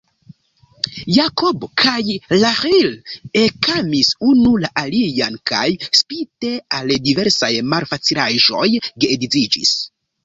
Jakob kaj Raĥil ekamis unu la alian, kaj, spite al diversaj malfacilaĵoj, geedziĝis.